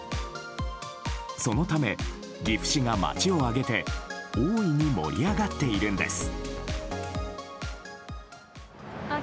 そのため岐阜市が町を挙げて大いに盛り上がっているんです。